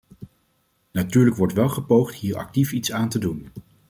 Natuurlijk wordt wel gepoogd hier actief iets aan te doen.